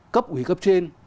cấp ủy cấp trên